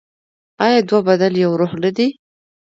آیا دوه بدن یو روح نه دي؟